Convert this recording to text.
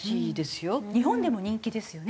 日本でも人気ですよね。